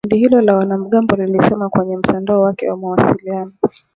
Kundi hilo la wanamgambo lilisema kwenye mtandao wake wa mawasiliano.